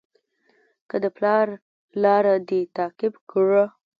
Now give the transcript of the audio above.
که د پلار لاره دې تعقیب کړه.